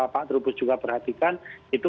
pak trubus juga perhatikan itu